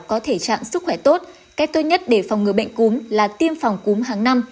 có thể trạng sức khỏe tốt cách tốt nhất để phòng ngừa bệnh cúm là tiêm phòng cúm hàng năm